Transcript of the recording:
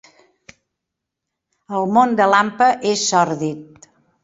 El món de l'hampa és sòrdid.